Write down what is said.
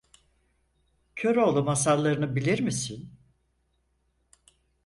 Köroğlu masallarını bilir misin?